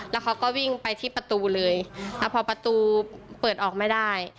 แล้วเขาก็วิ่งไปที่ประตูเลยแล้วพอประตูเปิดออกไม่ได้